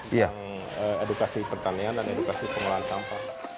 tentang edukasi pertanian dan edukasi pengelolaan sampah